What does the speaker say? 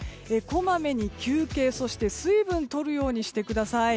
こまめに休憩、そして水分をとるようにしてください。